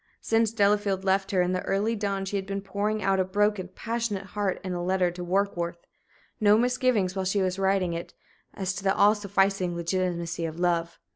Since Delafield left her in the early dawn she had been pouring out a broken, passionate heart in a letter to Warkworth. No misgivings while she was writing it as to the all sufficing legitimacy of love!